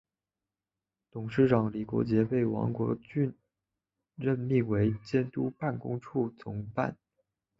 董事长李国杰被王伯群任命为监督办公处总办。